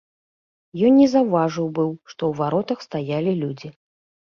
Ён не заўважыў быў, што ў варотах стаялі людзі.